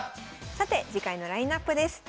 さて次回のラインナップです。